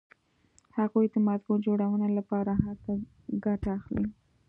هغوی د مضمون جوړونې لپاره له هر څه ګټه اخلي